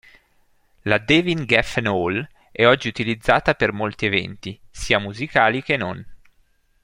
La David Geffen Hall è oggi utilizzata per molti eventi, sia musicali che non.